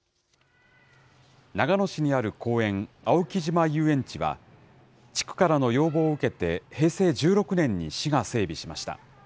長野市にある公園、青木島遊園地は、地区からの要望を受けて、平成１６年に市が整備しました。